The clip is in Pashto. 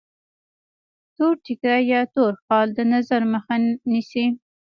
تور ټیکری یا تور خال د نظر مخه نیسي.